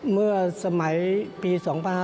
เมื่อสมัยปี๒๕๕๙